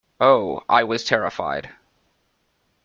Oh, I was terrified!